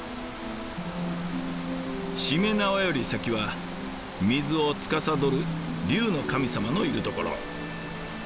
しめ縄より先は水をつかさどる龍の神様のいるところ。